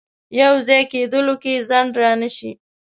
یو ځای کېدلو کې ځنډ رانه شي.